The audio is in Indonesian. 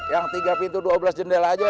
yang tiga pintu dua belas jendela aja